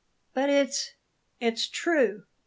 But it's it's true!"